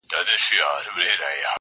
زه خپله مينه ټولومه له جهانه څخه_